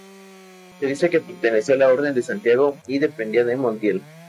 Se dice que perteneció a la Orden de Santiago y dependía de Montiel.